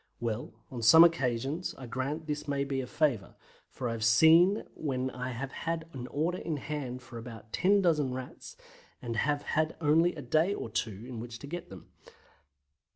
Well, on some occasions I grant this may be a favour, for I have seen when I have had an order in hand for about 10 dozen Rats, and have had only a day or two in which to get them.